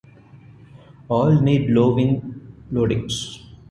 All need low wing loadings.